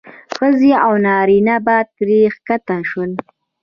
ښځې او نارینه به ترې ښکته شول.